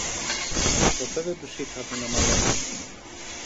Ποτέ δεν τους είχα δει να μαλώνουν